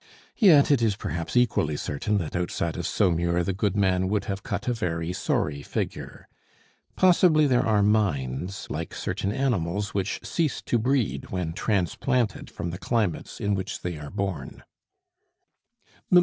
Yet it is perhaps equally certain that outside of Saumur the goodman would have cut a very sorry figure. Possibly there are minds like certain animals which cease to breed when transplanted from the climates in which they are born.